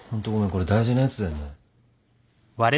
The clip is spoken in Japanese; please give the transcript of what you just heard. これ大事なやつだよね？